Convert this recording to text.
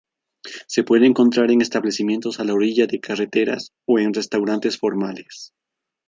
Se puede encontrar en establecimientos a la orilla de carreteras o en restaurantes formales.